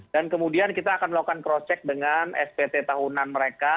dan kemudian kita akan melakukan cross check dengan spt tahunan mereka